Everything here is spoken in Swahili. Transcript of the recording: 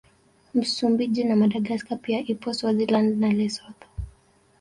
Msumbiji na Madagaska pia ipo Swaziland na Lesotho